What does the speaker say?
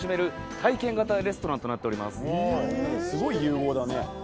すごい融合だね。